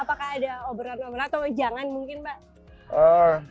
apakah ada oboran oboran atau jangan mungkin pak